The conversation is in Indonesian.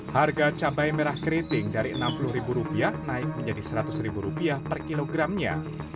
harga cabai merah keriting dari rp enam puluh naik menjadi rp seratus per kilogramnya